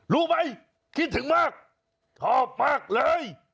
รู้ไหมคิดถึงมากชอบมากเลย